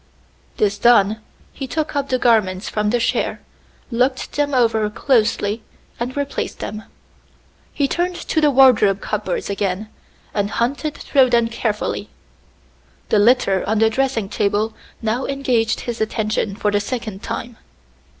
This done, he took up the garments from the chair, looked them over closely and replaced them. He turned to the wardrobe cupboards again, and hunted through them carefully. The litter on the dressing table now engaged his attention for the second time.